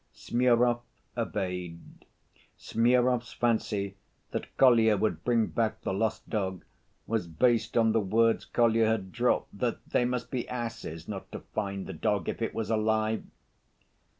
Smurov obeyed. Smurov's fancy that Kolya would bring back the lost dog was based on the words Kolya had dropped that "they must be asses not to find the dog, if it was alive."